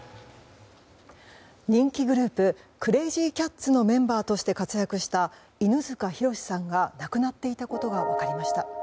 人気グループクレージーキャッツのメンバーとして活躍した犬塚弘さんが亡くなっていたことが分かりました。